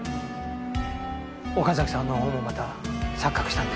岡崎さんのほうもまた錯覚したんです。